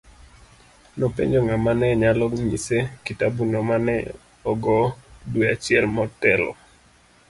Nopenjo ng'ama ne nyalo nyise kitabuno ma ne ogo dwe achiel motelo.